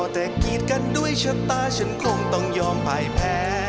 แต่กีดกันด้วยชะตาฉันคงต้องยอมไปแพ้